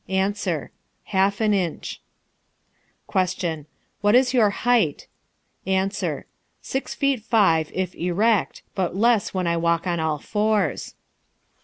A. Half an inch. Q. What is your height? A. Six feet five, if erect, but less when I walk on all fours.